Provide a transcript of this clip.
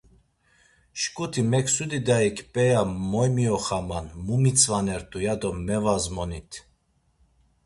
Şǩuti Meksudi dayik p̌eya moy mioxaman, mu mitzvanert̆u, ya do mevazmonit.